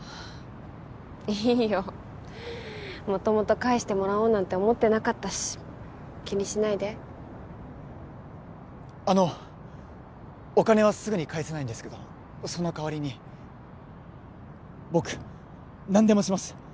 いいよ元々返してもらおうなんて思ってなかったし気にしないであのお金はすぐに返せないんですけどその代わりに僕何でもします